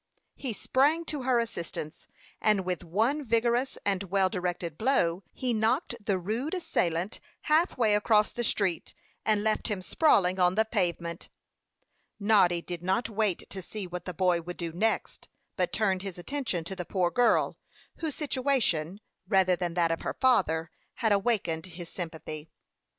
He sprang to her assistance, and with one vigorous and well directed blow, he knocked the rude assailant halfway across the street, and left him sprawling on the pavement. Noddy did not wait to see what the boy would do next, but turned his attention to the poor girl, whose situation, rather than that of her father, had awakened his sympathy.